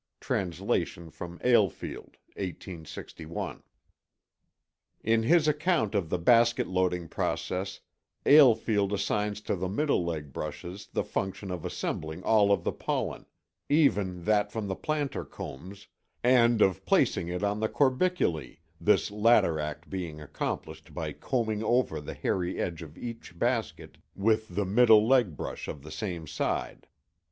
[Translation from Alefeld, 1861.] In his account of the basket loading process Alefeld assigns to the middle leg brushes the function of assembling all of the pollen, even that from the plantar combs, and of placing it on the corbiculæ, this latter act being accomplished by combing over the hairy edge of each basket with the middle leg brush of the same side.